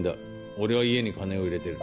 俺は家に金を入れてる。